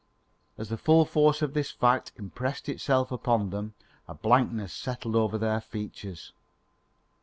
As the full force of this fact impressed itself upon them, a blankness settled over their features.